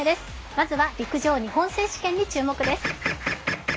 まずは陸上日本選手権に注目です。